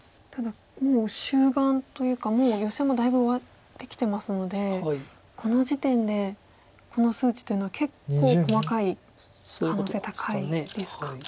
ただもう終盤というかもうヨセもだいぶ終わってきてますのでこの時点でこの数値というのは結構細かい可能性高いですか。